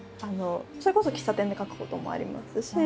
それこそ喫茶店で書くこともありますし